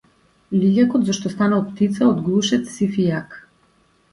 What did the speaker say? Лилјакот зашто станал птица од глушец сив и јак.